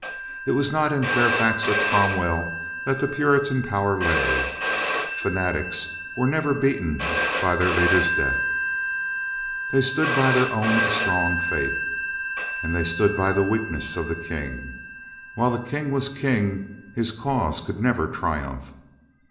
It was not in Fairfax or Cromwell that the Puritan power lay. Fanatics were never beaten by their leaders' death. 358 A CAVALIER DIES 359 They stood by their own strong faith. Ay, they stood by the weakness of the King. While the King was King his cause could never triumph.